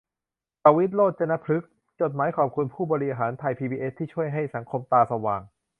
ประวิตร โรจนพฤกษ์ จดหมายขอบคุณผู้บริหารไทยพีบีเอสที่ช่วยให้สังคมตาสว่าง